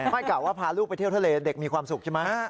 กะว่าพาลูกไปเที่ยวทะเลเด็กมีความสุขใช่ไหม